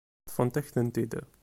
Ṭṭfent-ak-tent-id.